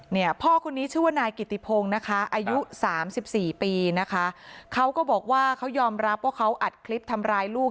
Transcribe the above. เนี่ยพ่อคนนี้ชื่อว่านายกิติพงศ์นะคะอายุสามสิบสี่ปีนะคะเขาก็บอกว่าเขายอมรับว่าเขาอัดคลิปทำร้ายลูก